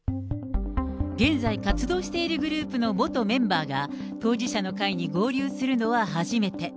現在活動しているグループの元メンバーが、当事者の会に合流するのは初めて。